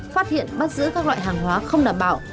phát hiện bắt giữ các loại hàng hóa không đảm bảo